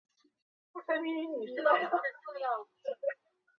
工人革命党是秘鲁的一个托洛茨基主义政党。